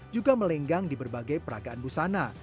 juga melenggang di berbagai peragaan busana